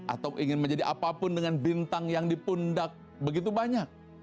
atau ingin menjadi apapun dengan bintang yang dipundak begitu banyak